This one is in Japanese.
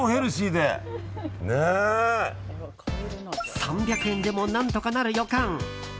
３００円でも何とかなる予感！